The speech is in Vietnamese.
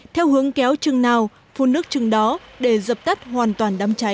theo hướng kéo chừng nào phun nước chừng đó để dập tắt hoàn toàn đám cháy